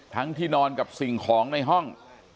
ที่นอนกับสิ่งของในห้อง